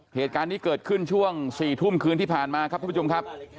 เหตุการณ์นี้เกิดขึ้นช่วง๔ทุ่มคืนที่ผ่านมาครับท่านผู้ชมครับ